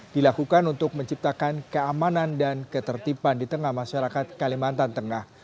dilakukan untuk menciptakan keamanan dan ketertiban di tengah masyarakat kalimantan tengah